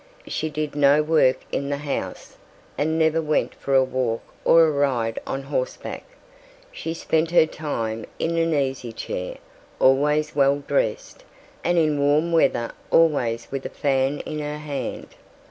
She did no work in the house, and never went for a walk or a ride on horseback: she spent her time in an easy chair, always well dressed, and in warm weather always with a fan in her hand.